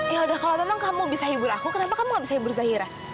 ya udah kalau memang kamu bisa hibur aku kenapa kamu nggak bisa hibur zaira